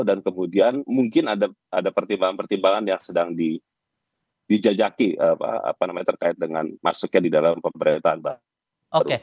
dan kemudian mungkin ada pertimbangan pertimbangan yang sedang dijajaki terkait dengan masuknya di dalam pemerintahan pak